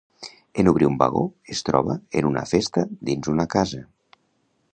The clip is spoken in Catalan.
En obrir un vagó, es troba en una festa dins una casa.